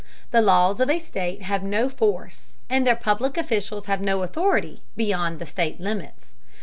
The laws of a state have no force, and their public officials have no authority, beyond the state limits.